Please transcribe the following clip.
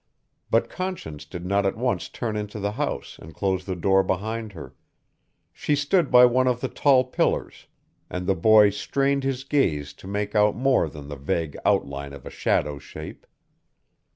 But Conscience did not at once turn into the house and close the door behind her. She stood by one of the tall pillars and the boy strained his gaze to make out more than the vague outline of a shadow shape.